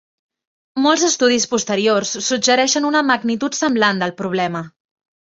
Molts estudis posteriors suggereixen una magnitud semblant del problema.